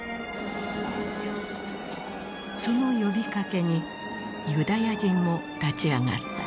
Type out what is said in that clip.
その呼びかけにユダヤ人も立ち上がった。